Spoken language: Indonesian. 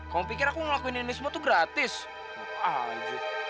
kau pikir aku ngelakuin ini semua tuh gratis ah aja